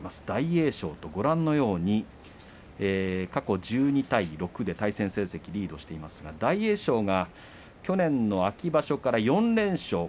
大栄翔と過去１２対６で対戦成績リードしていますが大栄翔が去年の秋場所から４連勝